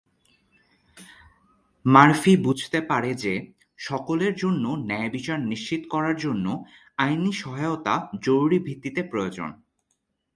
Murphy বুঝতে পারে যে সকলের জন্য ন্যায়বিচার নিশ্চিত করার জন্য আইনি সহায়তা জরুরি ভিত্তিতে প্রয়োজন।